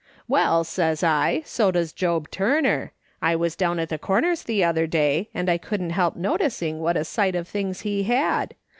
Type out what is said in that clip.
' Well,' says I, ' so does Job Turner. I was down at the Corners the other day, and I couldn't help noticing what a sight of things he had